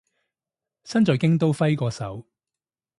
身在京都揮個手